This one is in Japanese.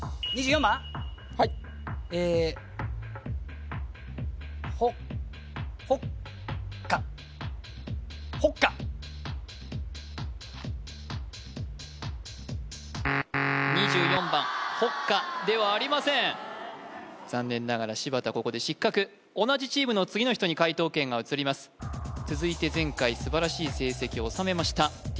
はいえー２４番ほっかではありません残念ながら柴田ここで失格同じチームの次の人に解答権が移ります続いて前回素晴らしい成績を収めました